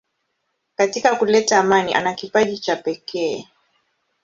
Katika kuleta amani ana kipaji cha pekee.